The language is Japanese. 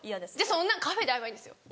そんなんカフェで会えばいいんですよ。